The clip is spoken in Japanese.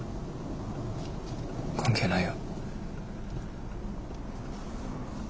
関係ないよ。